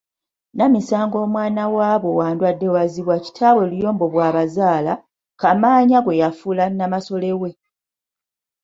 Namisango omwana waabo wa Ndwaddeewazibwa kitaabwe Luyombo bw'abazaala, Kamaanya gwe yafuula Namasole we.